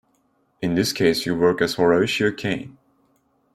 In this case you work as Horatio Caine.